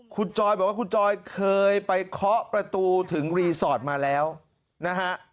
คุณจอยบอกว่าคุณจอยเคยไปเคาะประตูถึงรีสอร์ทมาแล้วนะฮะ